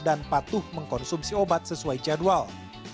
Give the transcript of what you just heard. dan patuh mengkonsumsi obat sesuai jadwal